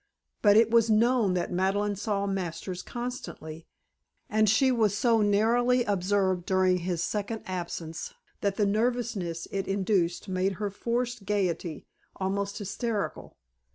But it was known that Madeleine saw Masters constantly, and she was so narrowly observed during his second absence that the nervousness it induced made her forced gaiety almost hysterical.